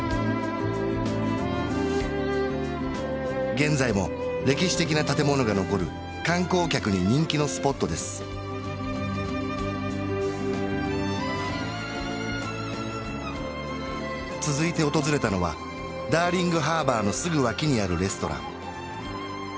現在も歴史的な建物が残る観光客に人気のスポットです続いて訪れたのはダーリングハーバーのすぐ脇にあるレストラン